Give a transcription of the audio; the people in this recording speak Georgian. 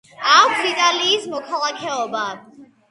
აქვს იტალიის მოქალაქეობა.